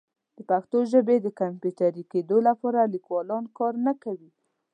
د پښتو ژبې د کمپیوټري کیدو لپاره لیکوالان کار نه کوي.